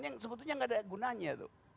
yang sebetulnya tidak ada gunanya